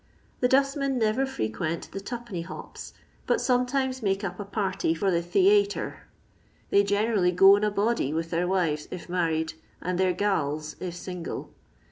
The dustmen never frequent the twopenny hops, but sometimes make up a party for the " theaytre." They generally go in a body with their wives, if mairi^ and their " gals," if single.